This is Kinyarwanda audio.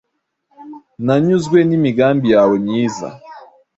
Nanyuzwe nimigambi yawe myiza